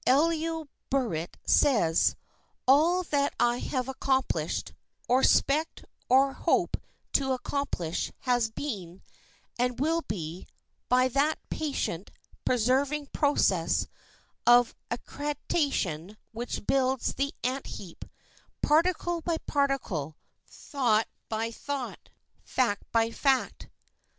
Elihu Burritt says: "All that I have accomplished, or expect or hope to accomplish, has been, and will be, by that patient, persevering process of accretion which builds the ant heap, particle by particle, thought by thought, fact by fact."